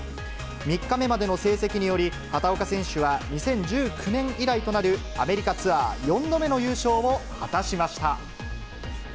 ３日までの成績により、畑岡選手は２０１９年以来となる、アメリカツアー４度目の優勝を果たしました。